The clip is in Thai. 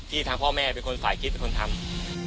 ที่ทางพ่อแม่ฝ่ายคิดเป็นคนทำ